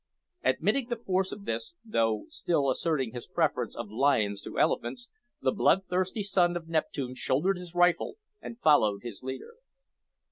Admitting the force of this, though still asserting his preference of lions to elephants, the bloodthirsty son of Neptune shouldered his rifle and followed his leader.